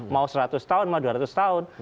mau seratus tahun mau dua ratus tahun